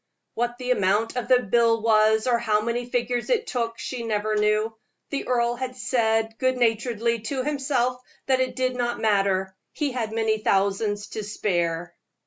What the amount of the bill was, or how many figures it took, she never knew. The earl had said good naturedly to himself that it did not matter he had many thousands to spare.